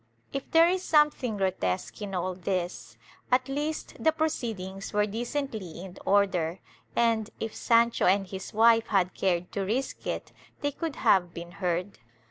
^ If there is something grotesque in all this, at least the proceed ings were decently in order and, if Sancho and his wife had cared to risk it, they could have been heard.